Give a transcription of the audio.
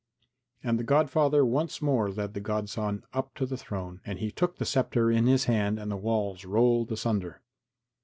And the godfather once more led the godson up to the throne and he took the sceptre in his hand and the walls rolled asunder.